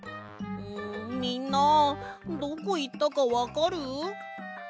みんなどこいったかわかる？